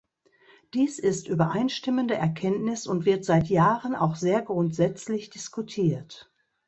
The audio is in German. Dies ist übereinstimmende Erkenntnis und wird seit Jahren auch sehr grundsätzlich diskutiert.